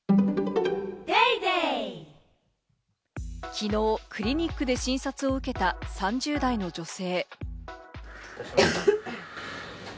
きのう、クリニックで診察を受けた３０代の女性。